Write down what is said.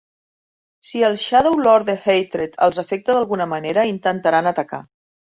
Si el Shadowlord de Hatred els afecta d'alguna manera, intentaran atacar.